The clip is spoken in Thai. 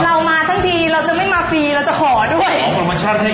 เรามาทั้งทีเราจะไม่มาฟรีลองขอด้วย